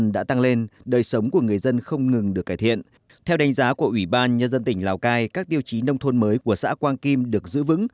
theo đánh giá của ủy ban nhân dân tỉnh lào cai các tiêu chí nông thôn mới của xã quang kim được giữ vững